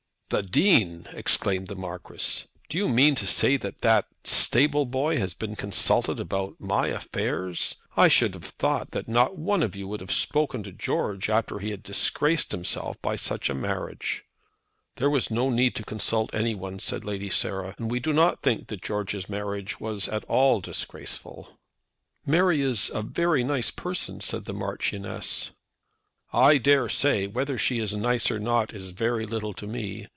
"The Dean!" exclaimed the Marquis. "Do you mean to say that that stable boy has been consulted about my affairs? I should have thought that not one of you would have spoken to George after he had disgraced himself by such a marriage." "There was no need to consult any one," said Lady Sarah. "And we do not think George's marriage at all disgraceful." "Mary is a very nice young person," said the Marchioness. "I dare say. Whether she is nice or not is very little to me.